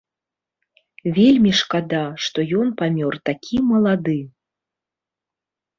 Вельмі шкада, што ён памёр такі малады.